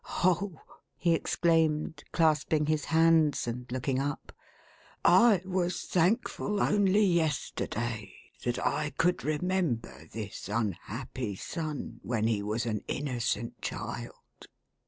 Oh !" he exclaimed, clasping his hands and looking up, " I was thankful, only yesterday, that I could remember this unhappy son when he was an innocent child.